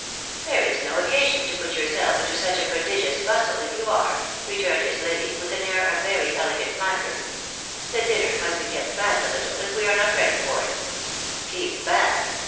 " There is no occasion to put yourself into such a prodigious bustle, if you are," returned his lady, with an air of very elegant languor. " The dinner must be kept back a httle if we are not ready for it." " Keep back